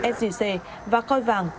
sgc và coi vàng